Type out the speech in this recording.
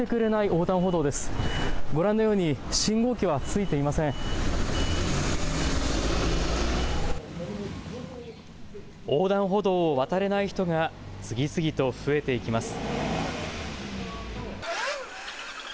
横断歩道を渡れない人が次々と増えていきます。